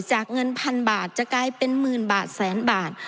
เงินพันบาทจะกลายเป็นหมื่นบาทแสนบาท